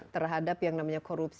terhadap yang namanya korupsi